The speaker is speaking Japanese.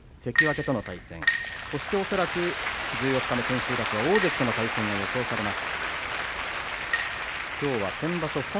そして恐らく千秋楽は大関との対戦が予想されます。